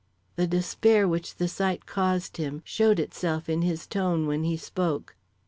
The despair which the sight caused him, showed itself in his tone when he spoke.